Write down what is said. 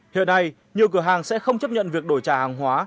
hiện nay nhiều cửa hàng sẽ không chấp nhận việc đổi trả hàng hóa